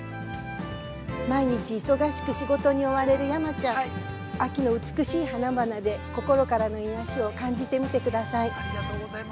◆毎日忙しく仕事に追われる山ちゃん、秋の美しい花々で心からの癒やしを感じてみてください。